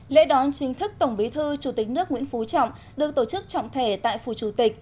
lễ đón chính thức tổng bí thư chủ tịch nước nguyễn phú trọng được tổ chức trọng thể tại phủ chủ tịch